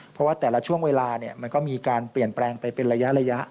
เพราะว่าแต่ละช่วงเวลามันก็มีการเปลี่ยนแปลงไปเป็นระยะ